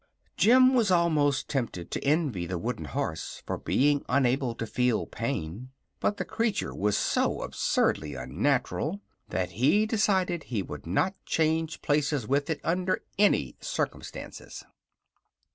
Jim was almost tempted to envy the wooden horse for being unable to feel pain; but the creature was so absurdly unnatural that he decided he would not change places with it under any circumstances.